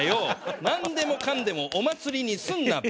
なんでもかんでもお祭りにすんな。